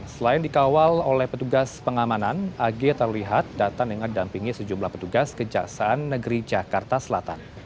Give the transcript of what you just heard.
selain dikawal oleh petugas pengamanan ag terlihat datang dengan dampingi sejumlah petugas kejaksaan negeri jakarta selatan